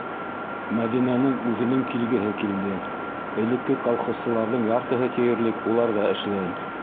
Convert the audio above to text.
Мәҙинәнең үҙенең килгеһе килде: элекке колхозсыларҙың яртыһы тиерлек уларҙа эшләй.